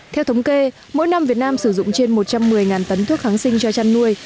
theo thống kê mỗi năm việt nam sử dụng trên một trăm một mươi tấn thuốc kháng sinh cho chăn nuôi